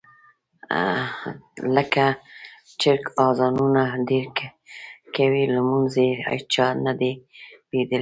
لکه چرګ اذانونه ډېر کوي لمونځ یې هېچا نه دي لیدلي.